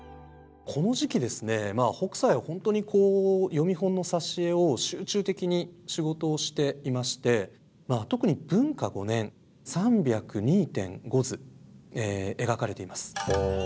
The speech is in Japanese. この時期ですね北斎は本当に読本の挿絵を集中的に仕事をしていまして特に文化５年３０２．５図描かれています。